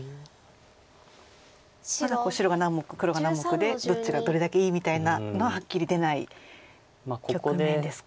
まだ白が何目黒が何目でどっちがどれだけいいみたいなのははっきり出ない局面ですか。